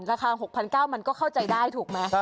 ราคา๖๙๐๐มันก็เข้าใจได้ถูกไหม